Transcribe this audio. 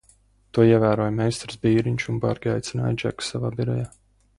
To ievēroja meistars Bīriņš un bargi aicināja Džeku savā birojā.